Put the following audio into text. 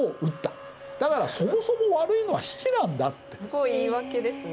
すごい言い訳ですね。